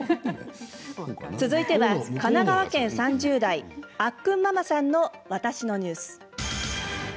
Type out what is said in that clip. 続いては、神奈川県３０代あっくんママさんの「わたしのニュース」。